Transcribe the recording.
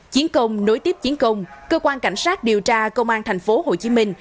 chiến công nối tiếp chiến công cơ quan cảnh sát điều tra công an thành phố hồ chí minh